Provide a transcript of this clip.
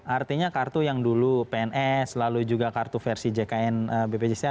artinya kartu yang dulu pns lalu juga kartu versi jkn bpjs nya